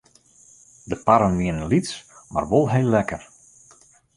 De parren wienen lyts mar wol heel lekker.